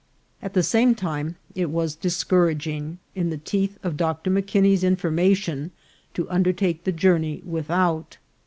At the same time, it was discouraging, in the teeth of Dr. M'Kinney's information, to undertake the journey with out.